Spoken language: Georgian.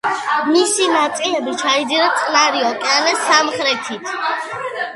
მისი ნაწილები ჩაიძირა წყნარი ოკეანის სამხრეთით.